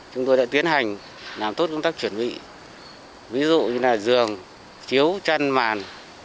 chúng tôi đã tiến hành làm tốt công tác chuẩn bị ví dụ như là giường chiếu chăn màn